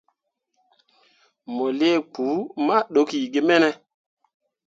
Mo lii kpu ma ɗokki ge mene ?